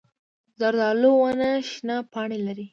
زردالو ونه شنه پاڼې لري.